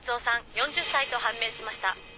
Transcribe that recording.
４０歳と判明しました。